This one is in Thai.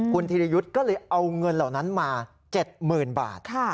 คุณธิรยุทธ์ก็เลยเอาเงินเหล่านั้นมา๗๐๐๐บาท